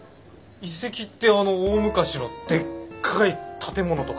遺跡ってあの大昔のでっかい建物とかの？